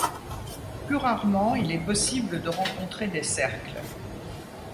Plus rarement, il est possible de rencontrer des cercles.